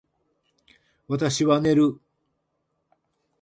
私は寝る